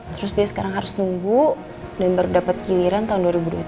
terus dia sekarang harus nunggu dan baru dapat giliran tahun dua ribu dua puluh tiga